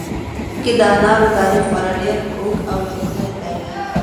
په افغانستان کې د انارو تاریخ خورا ډېر اوږد او لرغونی دی.